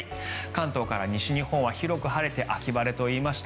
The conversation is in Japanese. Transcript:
関東から西日本は広く晴れて秋晴れと言いました。